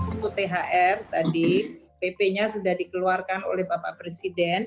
untuk thr tadi pp nya sudah dikeluarkan oleh bapak presiden